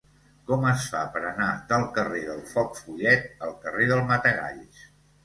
Com es fa per anar del carrer del Foc Follet al carrer del Matagalls?